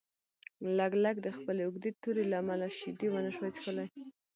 لګلګ د خپلې اوږدې تورې له امله شیدې ونشوای څښلی.